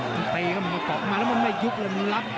มันตีก็มันมาเกาะมาแล้วมันไม่ยุบอมรับ